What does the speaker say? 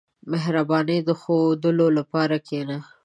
• د مهربانۍ د ښوودلو لپاره کښېنه.